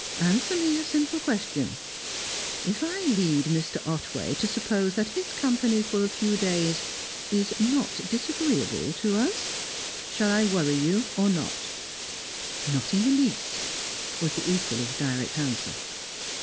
Answer me a simple question. If I lead Mr. Otway to suppose that his company for a few days is not disagreeable to us, shall I worry you, or not?" "Not in the least," was the equally direct answer.